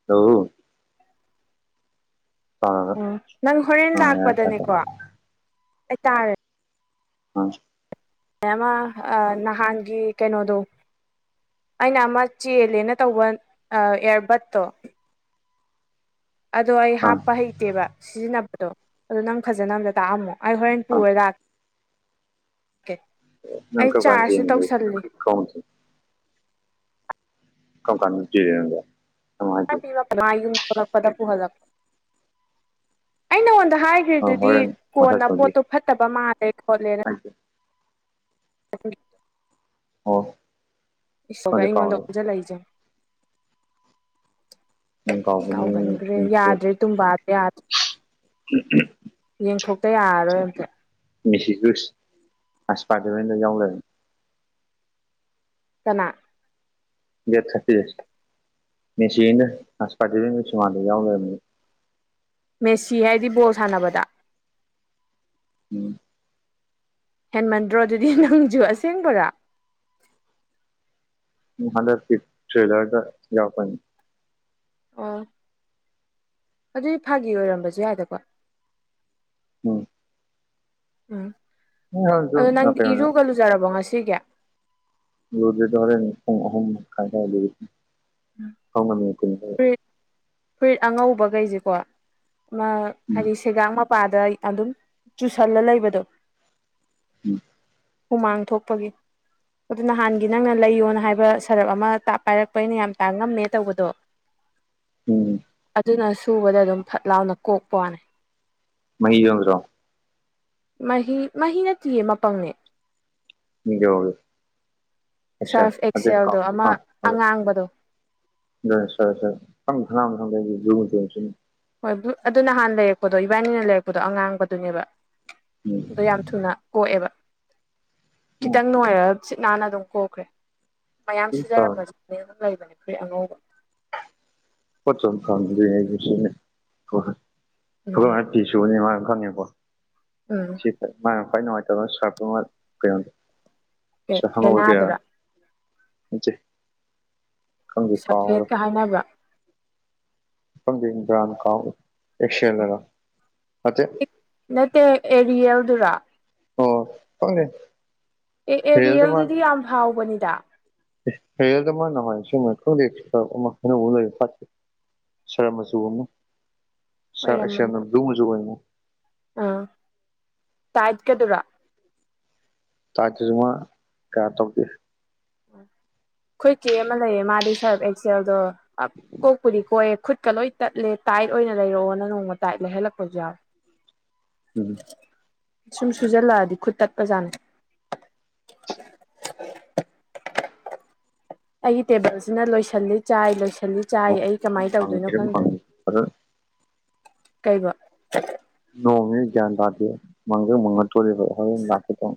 [unintelligible] ꯄꯥꯔꯒ ꯎꯝ ꯅꯪ ꯍꯣꯔꯦꯟ ꯑꯥ ꯂꯥꯛꯄ ꯌꯥꯔꯦ ꯇꯥꯔꯦ ꯗꯥꯅꯦꯀꯣ ꯑꯩꯇꯥꯥꯔ ꯑ ꯑꯃ ꯑꯥ ꯅꯍꯥꯟꯒꯤ ꯀꯩꯅꯣꯗꯣ ꯑꯩꯅ ꯑꯃ ꯆꯦꯜꯂꯦꯅ ꯇꯧꯕ ꯑꯥ ꯏꯌꯥꯔꯕꯠꯇꯣ ꯑꯗꯣ ꯑꯩ ꯑꯥ ꯍꯥꯞꯄ ꯍꯩꯇꯦꯕ ꯁꯤꯖꯤꯟꯅꯕꯗꯣ ꯑꯗꯣ ꯅꯪ ꯐꯖꯅ ꯑꯝꯇ ꯇꯥꯛꯑꯝꯃꯣ ꯑꯩ ꯍꯣꯔꯦꯟ ꯑꯥ ꯄꯨꯔ ꯂꯥꯛ ꯀꯦ ꯅꯪ ꯑꯩ ꯀꯔꯝ ꯀꯥꯟ ꯆꯥꯔꯖꯁꯨ ꯌꯦꯡꯗꯣꯏ ꯇꯧꯁꯤꯜꯂꯤ [unintelligible] ꯀꯝ ꯀꯥꯟꯗ ꯆꯦꯔꯕ [unintelligible] ꯌꯨꯝꯊꯣꯛꯂꯛꯄꯗ ꯄꯨꯍꯟꯂꯛ ꯑꯩ ꯅꯉꯣꯟꯗ ꯍꯥꯏ ꯑꯥ ꯗꯨꯗꯤ ꯍꯣꯔꯦꯟ ꯃꯊꯛ ꯀꯣꯟꯅ ꯇꯧꯁꯤ ꯄꯣꯠꯇꯣ ꯐꯠꯇꯕ ꯃꯥꯜꯂꯦ ꯈꯣꯠꯂꯦꯅ [unintelligible] [unintelligible] ꯑꯣ ꯏꯁꯧꯗꯣ ꯈꯪꯗꯦ ꯑꯩꯉꯣꯟꯗ ꯀꯥꯎꯔꯦ ꯑꯣꯟꯖꯤꯜꯂꯛꯏꯁꯦ ꯎꯝ ꯀꯥꯎꯕꯅꯤ ꯀꯥꯎꯒꯟꯈ꯭ꯔꯦ ꯌꯥꯗ꯭ꯔꯦ ꯇꯨꯝꯕꯥꯗꯣ ꯌꯥꯗ꯭ꯔꯦ [unintelligible] ꯌꯦꯡꯊꯣꯛꯇ ꯌꯥꯔꯔꯣꯏ ꯑꯝꯇ ꯃꯤꯁꯤ ꯒ꯭ꯔꯨꯁ ꯑꯁꯄꯥꯗꯃꯦꯟꯗꯣ ꯌꯥꯎ ꯂꯩꯔꯝꯃꯦ ꯀꯅꯥ ꯗꯦꯠ ꯊꯥꯔꯇꯤ ꯃꯦꯁꯤ ꯍꯣꯏꯅ [unintelligible] ꯌꯥꯎ ꯂꯩꯔꯝꯃꯦ ꯃꯦꯁꯤ ꯍꯥꯏꯗꯤ ꯕꯣꯜ ꯁꯥꯟꯅꯕꯗ ꯎꯝ ꯍꯦꯟꯃꯟꯗ꯭ꯔꯣ ꯑꯗꯨꯗꯤ ꯅꯪꯁꯨ ꯑꯁꯦꯡꯕꯔ ꯎꯝ ꯍꯟꯗꯛꯇꯤ ꯇ꯭ꯔꯦꯂꯔꯗ ꯌꯥꯎꯔꯛꯀꯅꯤ ꯑꯣ ꯑꯗꯨꯗꯤ ꯐꯥꯒꯤ ꯑꯣꯏꯔꯝꯕꯖꯨ ꯌꯥꯗꯦ ꯀꯣ [unintelligible] ꯎꯝ ꯑꯗꯣ ꯅꯪ ꯀꯩꯅꯣꯗ ꯏꯔꯨꯒ ꯂꯨꯖꯔꯕꯣ ꯉꯁꯤꯒꯤ ꯂꯨꯗ꯭ꯔꯤꯗ ꯍꯣꯔꯦꯟ ꯄꯨꯡ ꯑꯍꯨꯝ ꯃꯈꯥꯏ ꯗꯥꯏꯗꯒꯤ [unintelligible] ꯐꯨꯔꯤꯠ ꯐꯨꯔꯤꯠ ꯑꯉꯧꯕꯒꯩꯖꯦꯀꯣ ꯃꯥ ꯎꯝ ꯍꯥꯏꯗꯤ ꯁꯦꯒꯥꯛ ꯃꯄꯥꯗ ꯑꯗꯨꯝ ꯆꯨꯁꯜꯂ ꯂꯩꯕꯗꯣ ꯎꯝ ꯍꯨꯃꯥꯡ ꯊꯣꯛꯄꯒꯤ ꯑꯗꯨ ꯅꯍꯥꯟꯒꯤ ꯅꯪꯅ ꯂꯩꯌꯣꯅ ꯍꯥꯏꯕ ꯁꯔꯞ ꯑꯃ ꯇꯥꯞ ꯄꯥꯏꯔꯛꯄ ꯑꯩꯅ ꯌꯥꯝ ꯇꯥꯉꯝꯃꯦ ꯇꯧꯕꯗꯣ ꯎꯝ ꯑꯗꯨꯅ ꯁꯨꯕꯗ ꯑꯗꯨꯝ ꯐꯠ ꯂꯥꯎꯅ ꯀꯣꯛꯄꯥꯎꯅꯦ ꯃꯍꯤ ꯌꯥꯎꯗꯨꯔꯣ ꯃꯍꯤ ꯃꯍꯤ ꯅꯠꯇꯤꯌꯦ ꯃꯄꯪꯅꯦ ꯁꯔꯐ ꯑꯦꯛꯁꯦꯜꯗꯣ ꯑꯃ ꯑꯉꯥꯡꯕꯗꯣ [unintelligible] [unintelligible] ꯍꯣꯏ ꯕꯨꯜ ꯑꯗꯨ ꯅꯍꯥꯟ ꯂꯩꯔꯛꯄꯗꯣ ꯏꯕꯥꯅꯤꯅ ꯂꯩꯔꯛꯄꯗꯣ ꯑꯉꯥꯡꯕꯗꯨꯅꯦꯕ ꯎꯝ ꯑꯗꯣ ꯌꯥꯝ ꯊꯨꯅ ꯀꯣꯛꯑꯦꯕ ꯎꯝ ꯈꯤꯇꯪ ꯅꯣꯏꯔꯒ ꯁꯤꯠ ꯅꯥꯟꯅ ꯑꯗꯨꯝ ꯀꯣꯛꯈ꯭ꯔꯦ ꯃꯌꯥꯝ ꯑꯗꯨꯝ ꯐꯪ ꯁꯨꯖꯔꯝꯃꯖꯨ ꯑꯗꯨꯝ ꯂꯩꯕꯅꯦ ꯐꯨꯔꯤꯠ ꯑꯉꯧꯕ ꯎꯝ [unintelligible] ꯎꯝ [unintelligible] ꯃꯥꯅ ꯈ꯭ꯋꯥꯏ ꯅꯨꯡꯉꯥꯏꯇꯕ ꯁꯔꯞ ꯑꯃꯥ ꯀꯩꯅꯣꯗꯣ ꯐꯦꯅꯥꯗꯨꯔꯥ [unintelligible] ꯅꯠꯇꯦ ꯈꯪꯗꯦ ꯀꯥꯎꯔꯦ ꯁꯞꯐꯦꯠꯀ ꯍꯥꯏꯅꯕ꯭ꯔꯥ ꯈꯪꯗꯦ ꯕ꯭ꯔꯥꯟ ꯀꯥꯎꯒꯦ ꯑꯦꯛꯁꯦꯜꯗꯔꯣ ꯅꯠꯇꯦ ꯅꯠꯇꯦ ꯑꯦꯔꯤꯌꯜꯗꯨꯔꯣ ꯑꯣ ꯈꯪꯗꯦ ꯑꯦ ꯍꯦꯔꯦꯜꯗ ꯑꯦꯔꯤꯌꯜꯗꯨꯗꯤ ꯌꯥꯝ ꯐꯥꯎꯕꯅꯤꯗ ꯑꯦ ꯑꯦꯔꯦꯜꯗ ꯃꯥ ꯅꯍꯋꯥꯏ [unintelligible] ꯈꯪꯗꯦ ꯁꯔꯞ ꯑꯃꯥ ꯑꯅꯧꯕ [unintelligible] ꯁꯔꯞ ꯃꯆꯨ ꯑꯃꯥ ꯁꯔꯞ ꯑꯣꯏꯔꯝꯃꯅꯤ ꯑꯦꯛꯁꯦꯜꯅ ꯕ꯭ꯂꯨ ꯃꯆꯨ ꯑꯣꯏꯅ ꯑꯥ ꯇꯥꯏꯠꯀꯗꯨꯔꯣ ꯇꯥꯛꯁꯇꯨꯖꯨ ꯃꯥ ꯀꯌꯥ ꯇꯧꯗꯦ ꯈꯣꯏ ꯆꯦ ꯑꯃ ꯂꯩꯌꯦ ꯃꯥꯗꯤ ꯁꯔꯞ ꯑꯦꯛꯁꯦꯜꯗꯣ ꯑꯞ ꯀꯣꯛꯄꯨꯗꯤ ꯀꯣꯛꯑꯦ ꯈꯨꯠꯀ ꯂꯣꯏ ꯇꯠꯂꯦ ꯇꯥꯏꯠ ꯑꯣꯏꯅ ꯂꯩꯔꯛꯑꯣꯅ ꯅꯣꯡꯃ ꯇꯥꯏꯠ ꯂꯩꯍꯜꯂꯛꯄꯖꯨ ꯌꯥꯎꯋꯦ [unintelligible] ꯁꯨꯝ ꯁꯨꯖꯜꯂꯛꯑꯗꯤ ꯈꯨꯠ ꯇꯠꯄꯖꯥꯅꯦ ꯑꯩꯒꯤ ꯇꯦꯕꯜꯁꯤꯅ ꯂꯣꯏꯁꯜꯂꯤ ꯆꯥꯏ ꯂꯣꯏꯁꯜꯂꯤ ꯆꯥꯏ ꯑꯩ ꯀꯃꯥꯏ ꯇꯧꯗꯣꯏꯅꯣ ꯃꯪꯉꯤꯔ ꯈꯪꯗ꯭ꯔꯦ ꯃꯪꯉꯤ ꯑꯗ ꯀꯩꯕꯣ ꯅꯣꯡꯅꯦ ꯒ꯭ꯌꯥꯟ ꯇꯥꯗꯦ ꯃꯡꯖꯨ ꯃꯪꯉꯛꯇꯣꯔꯦꯕ ꯍꯣꯔꯦꯟ ꯂꯥꯛꯀꯦ ꯇꯧ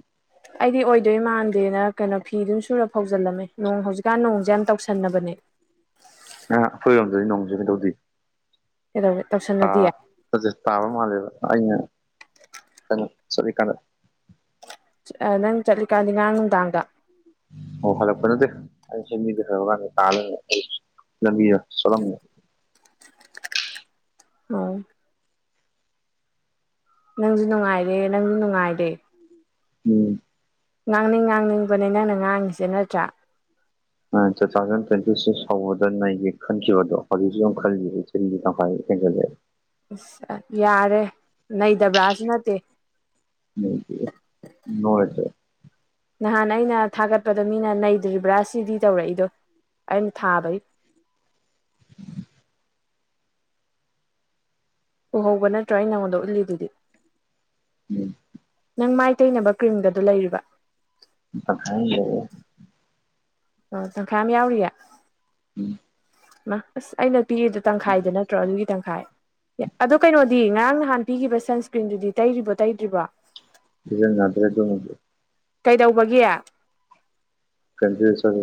ꯑꯩꯗꯤ ꯑꯣꯏꯗꯣꯏ ꯃꯥꯟꯗꯦꯅ ꯀꯩꯅꯣ ꯐꯤꯗꯨꯝ ꯁꯨꯔ ꯐꯧꯖꯜꯂꯝꯃꯦ ꯅꯣꯡ ꯍꯧꯖꯤꯛꯀꯥꯟ ꯅꯣꯡꯖꯦ ꯌꯥꯝ ꯇꯧꯁꯟꯅꯕꯅꯦ ꯑ ꯑꯈꯣꯏ ꯔꯣꯝꯗꯗꯤ ꯅꯣꯡꯖꯦ ꯀꯩꯗꯧꯗꯤ ꯀꯩꯗꯧꯋꯦ ꯇꯧꯁꯟꯅꯗꯤꯌꯦ ꯈꯖꯤꯛꯖꯤꯛ ꯇꯥꯕ ꯃꯥꯜꯂꯦꯕ ꯑꯩꯅ ꯀꯩꯅꯣ ꯆꯠꯂꯤꯀꯥꯟꯗ ꯑ ꯅꯪ ꯆꯠꯂꯤꯀꯥꯟꯅꯤ ꯉꯥꯔꯥꯡ ꯅꯨꯡꯗꯥꯡꯗꯣ ꯑꯣ ꯍꯜꯂꯛꯄ ꯅꯠꯇꯦ ꯑꯩꯅ ꯆꯦꯟꯕꯤꯒꯦ ꯇꯧꯔꯀꯥꯟꯗ ꯇꯥ ꯂꯩꯔꯝꯃꯦ ꯂꯝꯕꯤꯗꯣ ꯆꯣꯠꯂꯝꯃꯦ ꯑꯣ ꯅꯪꯖꯨ ꯅꯨꯡꯉꯥꯏꯔꯦ ꯅꯪꯖꯨ ꯅꯨꯡꯉꯥꯏꯔꯦ ꯎꯝ ꯉꯥꯡꯅꯤꯡ ꯉꯥꯡꯅꯤꯡꯕꯅꯦ ꯅꯪꯅ ꯉꯥꯡꯉꯤꯖꯦ ꯅꯠꯇ꯭ꯔꯥ ꯃꯥꯅꯦ ꯇꯨ ꯊꯥꯎꯖꯟ ꯇ꯭ꯋꯦꯟꯇꯤ ꯁꯤꯛꯁ ꯍꯧꯕꯗꯥ ꯅꯩꯒꯦ ꯈꯟꯈꯤꯕꯗꯣ ꯍꯧꯖꯤꯛꯁꯨ ꯈꯜꯂꯤꯁꯦ ꯖꯨꯟ ꯗꯤ ꯇꯥꯡꯈꯥꯏ ꯍꯦꯟꯖꯟꯂꯛꯑꯦ ꯑꯁ ꯌꯥꯔꯦ ꯅꯩꯗꯕ꯭ꯔꯥꯁꯨ ꯅꯠꯇꯦ [unintelligible] ꯅꯍꯥꯟ ꯑꯩꯅ ꯊꯥꯒꯠꯄꯗ ꯃꯤꯅ ꯅꯩꯗ꯭ꯔꯤꯕ꯭ꯔꯥ ꯁꯤꯗꯤ ꯇꯧꯔꯛꯏꯗꯣ ꯑꯩꯅ ꯊꯥꯕꯒꯤ ꯎꯍꯧꯕ ꯅꯠꯇ꯭ꯔꯣ ꯑꯩ ꯅꯉꯣꯟꯗ ꯎꯠꯂꯤꯗꯨꯗꯤ ꯎꯝ ꯅꯪ ꯃꯥꯏ ꯇꯩꯅꯕ ꯀ꯭ꯔꯤꯝꯒꯗꯣ ꯂꯩꯔꯤꯕ ꯇꯪꯈꯥꯏ ꯑꯝ ꯂꯩꯔꯤ ꯑꯥ ꯇꯪꯈꯥꯏ ꯑꯃ ꯌꯥꯎꯔꯤꯌꯦ ꯎꯝ ꯃꯥ ꯑꯁ ꯑꯩꯅ ꯄꯤꯌꯦꯗꯣ ꯇꯪꯈꯥꯏꯗ ꯅꯠꯇ꯭ꯔꯣ ꯑꯗꯨꯒꯤ ꯇꯪꯈꯥꯏ ꯑꯗꯣ ꯀꯩꯅꯣꯗꯤ ꯉꯔꯥꯡ ꯅꯍꯥꯟ ꯄꯤꯈꯤꯕ ꯁꯟꯁ꯭ꯀ꯭ꯔꯤꯟꯗꯨꯗꯤ ꯇꯩꯔꯤꯕꯣ ꯇꯩꯇ꯭ꯔꯤꯕꯣ ꯁꯤꯖꯤꯟꯅꯗꯔꯦ ꯑꯗꯨꯃꯥꯗꯤ ꯀꯩꯗꯧꯕꯒꯤ ꯀꯟꯗꯤꯁꯟ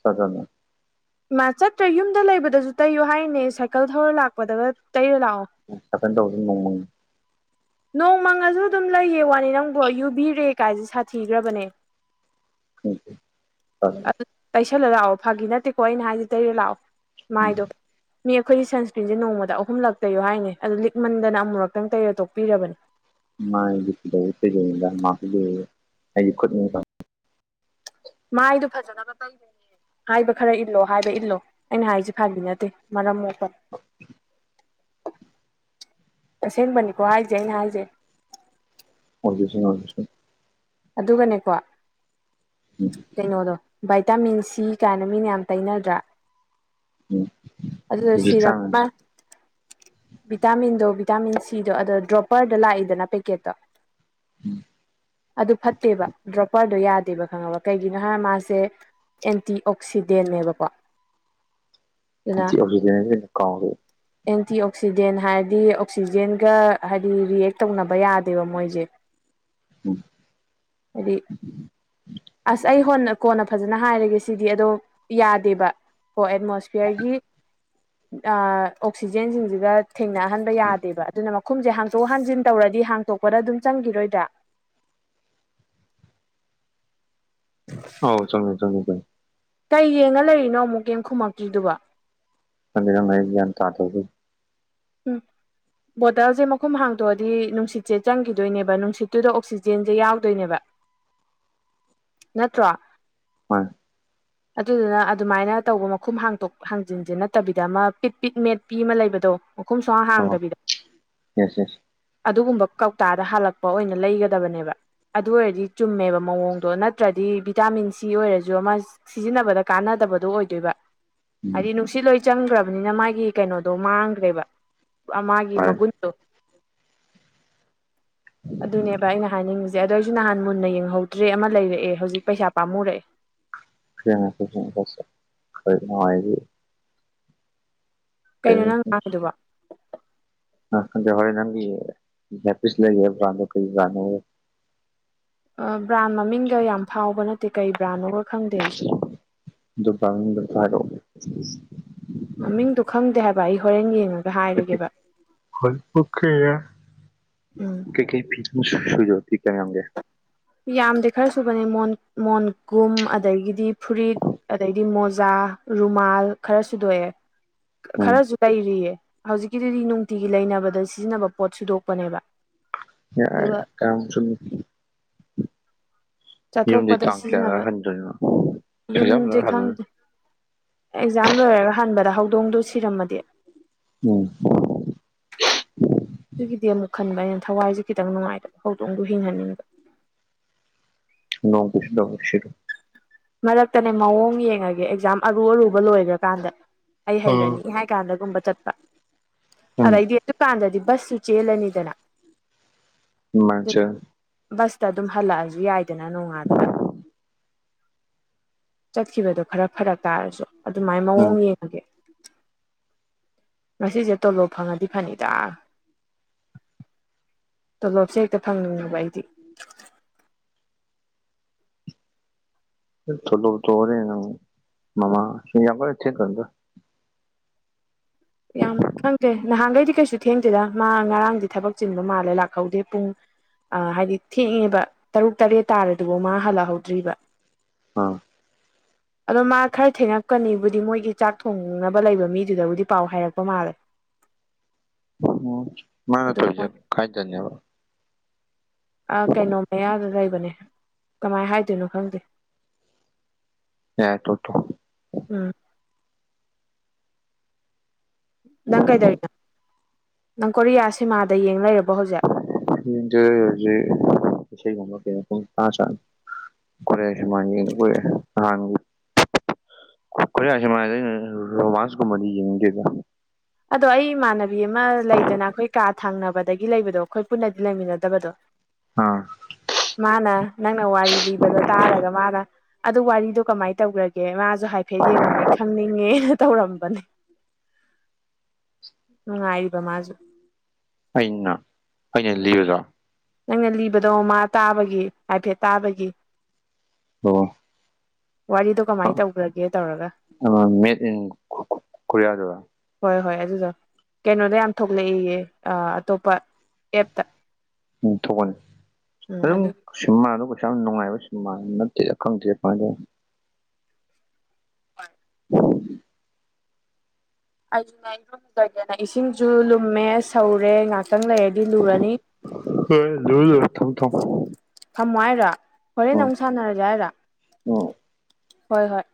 ꯈꯔꯥ [unintelligible] ꯏꯃꯥꯏ ꯆꯠꯇ꯭ꯔꯦ ꯌꯨꯝꯗ ꯂꯩꯕꯗꯁꯨ ꯇꯩꯌꯣ ꯍꯥꯏꯔꯤꯅꯦ ꯁꯥꯏꯀꯜ ꯊꯧꯔ ꯂꯥꯛꯄꯗꯒ ꯇꯩꯔ ꯂꯥꯛꯑꯣ [unintelligible] ꯅꯣꯡꯃꯪꯉꯁꯨ ꯑꯗꯨꯝ ꯂꯩꯌꯦ ꯋꯥꯅꯤ ꯅꯪꯕꯣ ꯌꯨꯕꯤꯔꯦ ꯀꯥꯏꯁꯦ ꯁꯥꯊꯤꯈ꯭ꯔꯕꯅꯦ [unintelligible] ꯑꯗꯨ ꯇꯩꯁꯜꯂ ꯂꯥꯛꯑꯣ ꯐꯥꯒꯤ ꯅꯠꯇꯦꯀꯣ ꯑꯩꯅ ꯍꯥꯏꯖꯤ ꯇꯩꯔ ꯂꯥꯛꯑꯣ ꯃꯥꯏꯗꯣ ꯃꯤ ꯑꯩꯈꯣꯏꯒꯤ ꯁꯟꯁꯀ꯭ꯔꯤꯟꯁꯦ ꯅꯣꯡꯃꯗ ꯑꯍꯨꯝꯂꯛꯛꯇꯩꯌꯣ ꯍꯥꯏꯔꯤꯅꯦ ꯑꯗꯨ ꯂꯤꯛꯃꯟꯗꯅ ꯑꯃꯨꯛꯔꯛꯇꯪ ꯇꯩꯔꯣ ꯇꯣꯛꯄꯤꯔꯕꯅꯤ ꯃꯥꯏꯗꯤ ꯀꯩꯗꯧꯕꯩ ꯇꯩꯗꯣꯏꯅꯣꯗꯥ ꯑꯩ ꯈꯨꯠꯅ ꯍꯦꯟ ꯃꯥꯏꯗꯣ ꯐꯖꯅꯕ ꯇꯩꯗꯣꯏꯅꯦ ꯍꯥꯏꯕ ꯈꯔ ꯏꯜꯂꯣ ꯍꯥꯏꯕ ꯏꯜꯂꯣ ꯑꯩꯅ ꯍꯥꯏꯁꯦ ꯐꯥꯕꯤ ꯅꯠꯇꯦ ꯃꯔꯝ ꯃꯣꯛꯄꯅꯤ ꯑꯁꯦꯡꯕꯅꯤꯀꯣ ꯍꯥꯏꯁꯦ ꯑꯩꯅ ꯍꯥꯏꯁꯦ ꯑꯣꯏꯒꯦꯁꯦ ꯑꯣꯏꯒꯦꯁꯦ ꯑꯗꯨꯒꯅꯦꯀꯣ ꯎꯝ ꯀꯩꯅꯣꯗꯣ ꯚꯥꯏꯇꯥꯃꯤꯟ ꯁꯤ ꯀꯥꯏꯅ ꯃꯤꯅ ꯌꯥꯝ ꯇꯩꯅꯗ꯭ꯔꯥ ꯑꯗꯨꯗꯣ ꯁꯤꯔꯞ ꯚꯤꯇꯥꯃꯤꯟꯗꯣ ꯚꯤꯇꯥꯃꯤꯟ ꯁꯤꯗꯣ ꯑꯗꯣ ꯗ꯭ꯔꯣꯞꯄꯔꯗ ꯂꯥꯛꯏꯗꯅ ꯄꯦꯀꯦꯠꯇꯣ ꯎꯝ ꯑꯗꯨ ꯐꯠꯇꯦꯕ ꯗ꯭ꯔꯣꯄꯔ ꯑꯗꯣ ꯌꯥꯗꯦꯕ ꯈꯪꯉꯕ ꯀꯩꯒꯤꯅꯣ ꯍꯥꯏꯔ ꯃꯥꯁꯦ ꯑꯦꯟꯇꯤ ꯑꯣꯛꯁꯤꯗꯦꯟꯅꯦꯕꯀꯣ [inaudible] ꯏꯆꯦ ꯑꯕꯤꯅꯥꯁꯦ ꯀꯥꯎꯔꯦ ꯑꯦꯟꯇꯤ ꯑꯣꯛꯁꯤꯗꯦꯟ ꯍꯥꯏꯔꯗꯤ ꯑꯣꯛꯁꯤꯖꯦꯟꯒ ꯍꯥꯏꯗꯤ ꯔꯤꯌꯦꯛ ꯇꯧꯅꯕ ꯌꯥꯗꯦꯕ ꯃꯣꯏꯁꯦ ꯎꯝ ꯍꯥꯏꯗꯤ ꯑꯁ ꯑꯩ ꯍꯣꯅ ꯀꯣꯟꯅ ꯐꯖꯅ ꯍꯥꯏꯔꯒꯦ ꯁꯤꯗꯤ ꯑꯗꯣ ꯌꯥꯗꯦꯕ ꯀꯣ ꯑꯦꯠꯃꯣꯁꯐꯤꯌꯔꯒꯤ ꯑꯥ ꯑꯣꯛꯁꯤꯖꯦꯟꯁꯤꯡꯁꯤꯒ ꯊꯦꯡꯅꯍꯟꯕ ꯌꯥꯗꯦꯕ ꯑꯗꯨꯅ ꯃꯈꯨꯝꯁꯦ ꯍꯥꯡꯇꯣꯛ ꯍꯥꯡꯖꯤꯟ ꯇꯧꯔꯗꯤ ꯍꯥꯡꯇꯣꯛꯄꯗ ꯑꯗꯨꯝ ꯆꯪꯈꯤꯔꯣꯏꯗ꯭ꯔꯥ [unintelligible] ꯑꯥꯎ ꯆꯪꯉꯦ ꯆꯪꯉꯦ ꯆꯪꯉꯦ ꯀꯩ ꯌꯦꯡꯉ ꯂꯩꯔꯤꯅꯣ ꯑꯃꯨꯛ ꯀꯩꯝ ꯈꯨꯝꯃꯛꯇ꯭ꯔꯤꯗꯨꯕꯣ ꯅꯣꯏ ꯃꯌꯥꯝ ꯍꯥꯏꯔꯦ ꯒ꯭ꯌꯥꯟ ꯇꯥꯗꯦꯕꯣ ꯎꯝ ꯕꯣꯇꯜꯁꯦ ꯃꯈꯨꯝ ꯍꯥꯡꯗꯣꯛꯑꯗꯤ ꯅꯨꯡꯁꯤꯠꯁꯦ ꯆꯪꯈꯤꯗꯣꯏꯅꯦꯕ ꯅꯨꯡꯁꯤꯠꯇꯨꯗ ꯑꯣꯛꯁꯤꯖꯦꯟꯁꯦ ꯌꯥꯎꯗꯣꯏꯅꯦꯕ ꯅꯠꯇ꯭ꯔꯣ ꯍꯣꯏ [inaudible] ꯑꯗꯨꯗꯨꯅ ꯑꯗꯨꯃꯥꯏꯅ ꯇꯧꯕ ꯃꯈꯨꯝ ꯍꯥꯡꯇꯣꯛ ꯍꯥꯡꯖꯤꯟꯁꯦ ꯅꯠꯇꯕꯤꯗ ꯑꯃ ꯄꯤꯠ ꯄꯤꯠ ꯃꯦꯠ ꯄꯤ ꯑꯃ ꯂꯩꯕꯗꯣ ꯃꯈꯨꯝ ꯁꯨꯛꯍꯥꯡ ꯑꯣ ꯍꯥꯡꯗꯕꯤꯗ ꯌꯦꯁ ꯌꯦꯁ ꯑꯗꯨꯒꯨꯝꯕ ꯀꯧꯇꯥꯗ ꯍꯜꯂꯛꯄ ꯑꯣꯏꯅ ꯂꯩꯒꯗꯕꯅꯦꯕ ꯑꯗꯨ ꯑꯣꯏꯔꯗꯤ ꯆꯨꯝꯃꯦꯕ ꯃꯑꯣꯡꯗꯣ ꯅꯠ ꯅꯠꯇ꯭ꯔꯗꯤ ꯚꯤꯇꯥꯃꯤꯟ ꯁꯤ ꯑꯣꯏꯔꯁꯨ ꯑꯃ ꯁꯤꯖꯤꯟꯅꯕꯗ ꯀꯥꯟꯅꯗꯕꯗꯣ ꯑꯣꯏꯗꯣꯏꯕ ꯎꯝ ꯍꯥꯏꯗꯤ ꯅꯨꯡꯁꯤꯠ ꯂꯣꯏ ꯆꯪꯈ꯭ꯔꯕꯅꯤꯅ ꯃꯥꯒꯤ ꯀꯩꯅꯣꯗꯣ ꯃꯥꯡꯈ꯭ꯔꯦꯕ ꯄꯨꯔꯥ ꯃꯥꯒꯤ ꯃꯒꯨꯟꯗꯣ ꯑꯗꯨꯅꯦꯕ ꯑꯩꯅ ꯍꯥꯏꯅꯤꯡꯉꯤꯁꯦ ꯑꯗꯣ ꯑꯩꯁꯨ ꯅꯍꯥꯟ ꯃꯨꯟꯅ ꯌꯦꯡꯍꯧꯗ꯭ꯔꯦ ꯑꯃ ꯂꯩꯔꯛꯑꯦ ꯍꯧꯖꯤꯛ ꯄꯩꯁꯥ ꯄꯥꯃꯨꯔꯛꯑꯦ ꯆꯥꯁ ꯇꯧꯊꯣꯛ ꯇꯧꯁꯤꯟ ꯈꯣꯏ ꯃꯥꯍꯣꯏꯗꯤ ꯀꯩꯅꯣ ꯅꯪ ꯉꯥꯡꯉꯤꯗꯨꯕꯣ ꯍꯥ ꯀꯩꯗꯧꯔꯦ ꯅꯪꯒꯤ ꯏꯌꯥꯔ ꯄꯤꯁ ꯂꯩꯅꯤ ꯕ꯭ꯔꯥꯟꯗꯣ ꯀꯔꯤ ꯕ꯭ꯔꯥꯟꯅꯣꯕ ꯑ ꯕ꯭ꯔꯥꯟ ꯃꯃꯤꯡꯒ ꯌꯥꯝ ꯐꯥꯎꯕ ꯅꯠꯇꯦ ꯀꯩ ꯕ꯭ꯔꯥꯟꯅꯣꯒ ꯈꯪꯗꯦ ꯑꯩꯁꯨ ꯗꯨꯀꯥꯟ ꯑꯃꯗꯥ ꯀꯥꯏꯔꯣꯒꯦ ꯃꯃꯤꯡꯗꯣ ꯈꯪꯗꯦ ꯍꯥꯏꯕ ꯑꯩ ꯍꯣꯔꯦꯟ ꯌꯦꯡꯉ ꯐꯜ ꯄꯈꯦ ꯎꯝ ꯀꯩ ꯐ ꯃꯁꯨꯖ ꯊꯤ ꯀꯡꯒꯦ ꯌꯥꯝꯗꯦ ꯈꯔ ꯁꯨꯕꯅꯦ ꯃꯣꯟ ꯃꯣꯟꯒꯨꯝ ꯑꯗꯒꯤꯗꯤ ꯐꯨꯔꯤꯠ ꯑꯗꯩꯗꯤ ꯃꯣꯖꯥ ꯔꯨꯃꯥꯜ ꯈꯔꯁꯨꯗꯣꯛꯑꯦ ꯎꯝ ꯈꯔꯁꯨ ꯂꯩꯔꯤꯌꯦ ꯍꯧꯖꯤꯛꯀꯤꯗꯨꯗꯤ ꯅꯨꯡꯇꯤꯒꯤ ꯂꯩꯅꯕꯗ ꯁꯤꯖꯤꯟꯅꯕ ꯄꯣꯠ ꯁꯨꯗꯣꯛꯄꯅꯦꯕ ꯑꯗꯨꯒ ꯌꯥꯔꯦꯗ ꯀꯌꯥꯝ ꯆꯨꯝꯃꯤ ꯆꯨꯝꯃꯤ ꯌꯨꯝꯗꯤ ꯆꯥꯊꯣꯛꯄꯗ ꯇꯥꯡ ꯀꯌꯥꯗ ꯁꯤꯖꯤꯟꯅꯕ ꯍꯟꯗꯣꯏꯅꯣ ꯑꯦꯛꯖꯥꯝ ꯌꯨꯝꯗꯤ ꯂꯣꯏꯔ ꯍꯜꯂꯨꯅꯤ ꯈꯪꯗꯦ ꯑꯩ ꯑꯦꯛꯖꯥꯝ ꯂꯣꯏꯔꯒ ꯍꯟꯕꯗ ꯍꯧꯗꯣꯡꯗꯣ ꯁꯤꯔꯝꯃꯗꯤ ꯃꯧꯄꯥ ꯑꯗꯨꯒꯤꯗꯤ ꯑꯃꯨꯛ ꯈꯟꯕ ꯑꯩꯅ ꯊꯋꯥꯏꯁꯦ ꯈꯤꯇꯪ ꯅꯨꯡꯉꯥꯏꯇꯕ ꯍꯧꯗꯣꯛꯗꯣ ꯍꯤꯡꯍꯟꯅꯤꯡꯕ ꯅꯣꯕꯤꯁ ꯁꯤꯔ ꯃꯔꯛꯇꯅꯦ ꯃꯑꯣꯡ ꯌꯦꯡꯉꯒꯦ ꯑꯦꯛꯖꯥꯝ ꯑꯔꯨ ꯑꯔꯨꯕ ꯂꯣꯏꯈ꯭ꯔꯀꯥꯟꯗ ꯑꯩ ꯍꯩꯔꯅꯤ ꯀꯥꯟꯗꯒꯨꯝꯕ ꯆꯠꯄ ꯎꯝ ꯑꯗꯩꯗꯤ ꯑꯗꯨꯀꯥꯟꯗꯗꯤ ꯕꯁꯁꯨ ꯆꯦꯜꯂꯅꯤꯗꯅ ꯃꯆꯥ ꯕꯁꯇ ꯑꯗꯨꯝ ꯍꯜꯂꯛꯑꯁꯨ ꯌꯥꯏꯗꯅ ꯅꯣꯡꯉꯥꯜꯂꯒ ꯆꯠꯈꯤꯕꯗꯣ ꯈꯔ ꯐꯔꯛ ꯇꯥꯔꯁꯨ ꯑꯗꯨꯃꯥꯏꯅ ꯎꯝ ꯃꯋꫭꯡ ꯌꯦꯡꯉꯒꯦ ꯉꯁꯤꯖꯦ ꯇꯣꯂꯣꯞ ꯐꯪꯉꯗꯤ ꯐꯅꯤꯗ ꯇꯣꯂꯣꯞꯁꯦ ꯍꯦꯛꯇ ꯐꯪꯅꯤꯡꯉꯦꯕ ꯑꯩꯗꯤ ꯇꯣꯂꫭꯞꯇꫭ ꯍꯧꯔꯦꯟ ꯑꯃꯨꯛ [unintelligible] ꯌꯥꯝ ꯈꯪꯗ꯭ꯔꯦ ꯅꯍꯥꯟꯒꯩꯗꯤ ꯀꯩꯁꯨ ꯊꯦꯡꯗꯦꯗ ꯃꯥ ꯉꯔꯥꯡꯗꯤ ꯊꯕꯛ ꯆꯤꯟꯕ ꯃꯥꯜꯂꯦ ꯂꯥꯛꯍꯧꯗꯦ ꯄꯨꯡ ꯑ ꯍꯥꯏꯗꯤ ꯊꯦꯡꯉꯦꯕ ꯇꯔꯨꯛ ꯇꯔꯦꯠ ꯇꯥꯔꯗꯨꯕꫭꯛ ꯃꯥ ꯍꯜꯂꯛꯍꯧꯗ꯭ꯔꯤꯕ ꯑ ꯑꯗꯣ ꯃꯥ ꯈꯔ ꯊꯦꯡꯉꯛꯀꯅꯤꯕꯨꯗꯤ ꯃꯣꯏꯒꯤ ꯆꯥꯛ ꯊꯣꯡꯅꯕ ꯂꯩꯕ ꯃꯤꯗꯨꯗꯕꯨꯗꯤ ꯄꯥꯎ ꯍꯥꯏꯔꯛꯄ ꯃꯥꯜꯂꯦ ꯎꯝ ꯃꯥꯅ ꯑꯗꯨ ꯇꯧꯋꯤꯖꯦ ꯃꯣꯏ ꯀꯥꯏꯗꯅꯦꯕ ꯑ ꯀꯩꯅꯣ ꯃꯌꯥꯗ ꯂꯩꯕꯅꯦ ꯀꯃꯥꯏ ꯍꯥꯏꯗꯣꯏꯅꯣ ꯈꯪꯗꯦ [unintelligible] ꯎꯝ ꯅꯪ ꯀꯩꯗꯧꯔꯤꯅꯣ ꯅꯪ ꯀꯣꯔꯤꯌꯥ ꯁꯤꯃꯥꯗ ꯌꯦꯡ ꯂꯩꯔꯕꯣ ꯍꯧꯖꯤꯛ ꯌꯦꯡꯗ‌꯭ꯔꯦ ꯍꯨꯖꯤꯛ ꯏꯁꯩꯒꯨꯝꯕ ꯀꯩꯒꯨꯝꯕ ꯁꯨꯝ ꯇꯥ [unintelligible] ꯀꫭꯔꯤꯌꯥꯟ ꯁꯤꯃꯥ ꯌꯦꯡꯕꯒ [unintelligible] ꯀꫭꯔꯤꯌꯥꯟ ꯁꯤꯃꯥꯗꯤ [unintelligible] ꯔꯣꯃꯥꯟꯁꯀꯨꯝꯕꯗꯤ ꯌꯦꯡꯅꯤꯡꯗꯦꯗ ꯑꯗꯣ ꯑꯩ ꯏꯃꯥꯟꯅꯕꯤ ꯑꯃ ꯂꯩꯗꯅ ꯑꯈꯣꯏ ꯀꯥ ꯊꯡꯅꯕꯗꯒꯤ ꯂꯩꯕꯗꯣ ꯑꯈꯣꯏ ꯄꯨꯟꯅꯗꯤ ꯂꯩꯃꯤꯟꯅꯗꯕꯗꯣ [inaudible] ꯑ ꯃꯥꯅ ꯅꯪꯅ ꯋꯥꯔꯤ ꯂꯤꯕꯗꯣ ꯇꯥꯔꯒ ꯃꯥꯅ ꯑꯗꯨ ꯋꯥꯔꯤꯗꯣ ꯀꯃꯥꯏꯅ ꯇꯧꯒ꯭ꯔ ꯒꯦ ꯃꯥꯖꯨ ꯍꯥꯏꯐꯦꯠ ꯌꯦꯡꯉꯝꯃꯦ ꯈꯪꯅꯤꯡꯉꯦꯅ ꯇꯧꯔꯝꯕꯅꯦ [inaudible] ꯅꯨꯡꯉꯥꯏꯔꯤꯕ ꯃꯥꯖꯨ ꯑꯩꯅ ꯑꯩꯅ ꯂꯤꯕꯗꯣ ꯅꯪꯅ ꯂꯤꯕꯗꯣ ꯃꯥ ꯇꯥꯕꯒꯤ ꯍꯥꯏꯐꯦꯠ ꯇꯥꯕꯒꯤ ꯑꯣ ꯋꯥꯔꯤꯗꯣ ꯀꯃꯥꯏꯅ ꯇꯧꯈ꯭ꯔꯒꯦ ꯇꯧꯔꯒ [unintelligible] ꯃꯦꯠ ꯏꯟ ꯀꯣꯔꯤꯌꯥꯗꯨꯔꯣ ꯍꯣꯏ ꯍꯣꯏ ꯑꯗꯨꯗꯣ ꯀꯩꯅꯣꯗ ꯌꯥꯝ ꯊꯣꯛꯂꯛꯑꯦꯌꯦ ꯑ ꯑꯇꯣꯞꯄ ꯑꯦꯞꯇ ꯎꯝ ꯊꯣꯛꯄꯅꯦ ꯎꯝ ꯑꯗꯨꯝ ꯑꯗꯨꯒꯤ ꯁꯤꯃꯥꯗꯣ ꯀꯩꯁꯨ ꯌꯥꯝ ꯅꯨꯡꯉꯥꯏꯕ ꯁꯤꯃꯥ ꯅꯠꯇꯦꯗ ꯈꯪꯗꯦ ꯀꯃꯥꯏ [unintelligible] [inaudible] ꯑꯩꯅ ꯏꯔꯨꯂꯨꯖꯒꯦꯅ ꯏꯁꯤꯡꯖꯨ ꯂꯨꯝꯃꯦ ꯁꯧꯔꯦ ꯉꯥꯛꯇꯪ ꯂꯩꯔꯗꯤ ꯂꯨꯔꯅꯤ ꯍꯣꯏ ꯂꯨꯔꯣ ꯂꯨꯔꯣ [unintelligible] ꯊꯝꯃꯣ ꯍꯥꯏꯔꯣ ꯍꯣꯔꯦꯟ ꯑꯃꯨꯛ ꯁꯥꯟꯅꯔꯖꯦ ꯍꯥꯏꯔꫭ ꯎꯝ ꯍꯣꯏ ꯍꯣꯏ